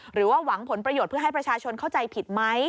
หรือว่าหวังผลประโยชน์เพื่อให้ประชาชนเข้าใจผิดไหม